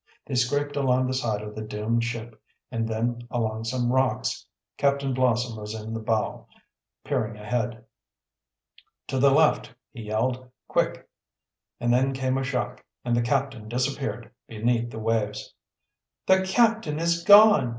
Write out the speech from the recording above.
They scraped along the side of the doomed ship, and then along some rocks. Captain Blossom was in the bow, peering ahead. "To the left!" he yelled. "Quick!" And then came a shock, and the captain disappeared beneath the waves. "The captain is gone!"